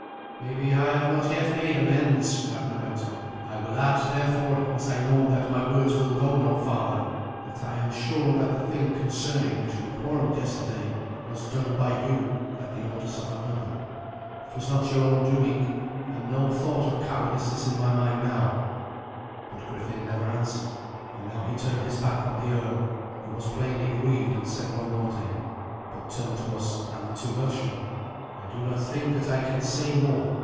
"Maybe I have not yet made amends," Ragnar went on. "I will add, therefore, as I know that my words will go no farther, that I am sure that the thing concerning which we quarrelled yesterday was done by you at the orders of another. It was not your own doing, and no thought of cowardice is in my mind now." But Griffin never answered; and now he turned his back on the earl, who was plainly grieved, and said no more to him, but turned to us and the two Welshmen. "I do not think that I can say more.